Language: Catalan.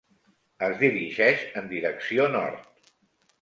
Es dirigeix en direcció nord.